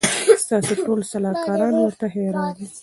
ستاسي ټول سلاکاران ورته حیران دي